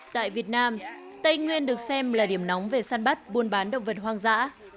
tại việt nam tây nguyên được xem là điểm nóng về săn bắt buôn bán động vật hoang dã